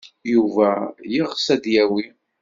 Yuba yeɣs ad t-yawi.